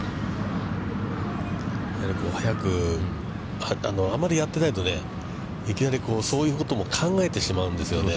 やはり早く、あまりやってないと、いきなりそういうことも考えてしまうんですよね。